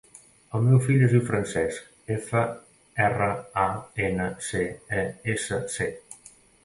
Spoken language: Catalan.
El meu fill es diu Francesc: efa, erra, a, ena, ce, e, essa, ce.